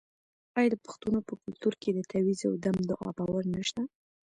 آیا د پښتنو په کلتور کې د تعویذ او دم دعا باور نشته؟